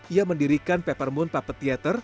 ia mendirikan peppermint puppet theater